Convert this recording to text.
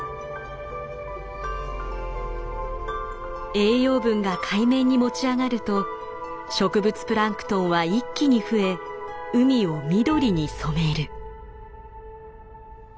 栄養分が海面に持ち上がると植物プランクトンは一気に増え海を緑に染める。